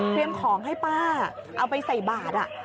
เตรียมของให้ป้าเอาไปใส่บาด